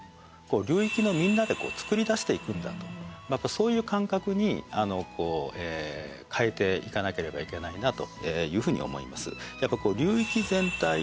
そういう感覚に変えていかなければいけないなというふうに思います。